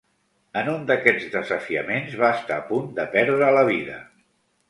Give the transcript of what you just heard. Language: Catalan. En un d'aquests desafiaments, va estar a punt de perdre la vida.